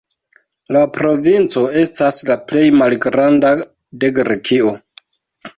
La provinco estas la plej malgranda de Grekio.